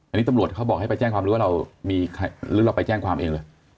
อันนี้ตำรวจเขาบอกให้ไปแจ้งความหรือว่าเราไปแจ้งความเองหรือ